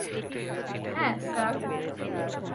হ্যাঁ, স্যার।